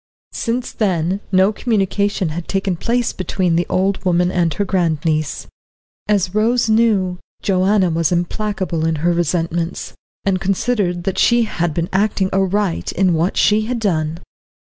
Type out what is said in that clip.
Since then no communication had taken place between the old woman and her grand niece. As Rose knew, Joanna was implacable in her resentments, and considered that she had been acting aright in what she had done.